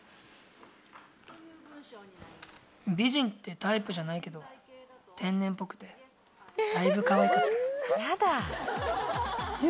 美人ってタイプじゃないけど天然っぽくてだいぶかわいかった。